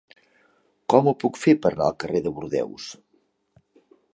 Com ho puc fer per anar al carrer de Bordeus?